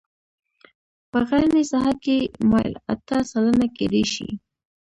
په غرنۍ ساحه کې میل اته سلنه کیدی شي